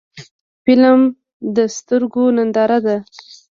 فلم د سترګو ننداره ده